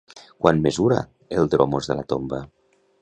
Quant mesura el dromos de la tomba?